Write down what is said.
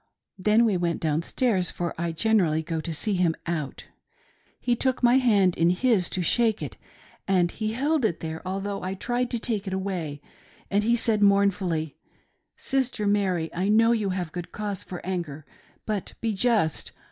Then we went down stairs, for I generally go to see him out He took my hand in his to shake it, and he held it there, although I tried to take it away, and he said mourn fully, " Sister Mary, I know you have good cause for anger ; but be just.